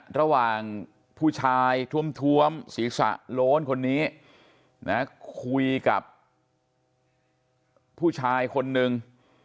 ระหว่างผู้ชายท้วมศีรษะโล้นคนนี้นะคุยกับผู้ชายคนนึง